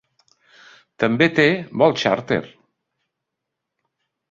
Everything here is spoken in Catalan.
També té vols xàrter.